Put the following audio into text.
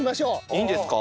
いいんですか？